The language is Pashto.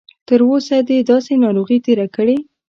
تر اوسه دې داسې ناروغي تېره کړې؟